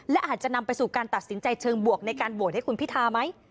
และอาจจะนำไปสู่การตัดสินใจเชิงบวกในการโหวตให้คุณพิทาไหม